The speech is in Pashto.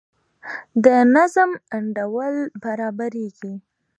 د نظم انډول برابریږي.